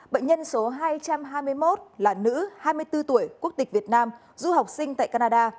bệnh nhân số hai trăm hai mươi một là nữ hai mươi bốn tuổi quốc tịch việt nam du học sinh tại canada